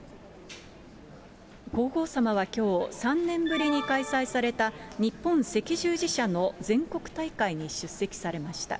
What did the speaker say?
皇后さまはきょう、３年ぶりに開催された日本赤十字社の全国大会に出席されました。